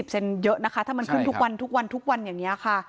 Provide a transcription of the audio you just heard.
เซนเยอะนะคะถ้ามันขึ้นทุกวันทุกวันทุกวันอย่างนี้ค่ะ